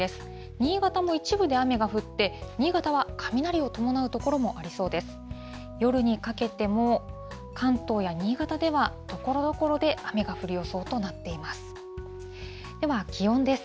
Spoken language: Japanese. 新潟も一部で雨が降って、新潟は雷を伴う所もありそうです。